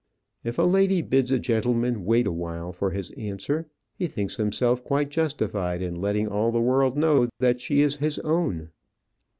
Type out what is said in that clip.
If a lady bids a gentleman wait awhile for his answer, he thinks himself quite justified in letting all the world know that she is his own.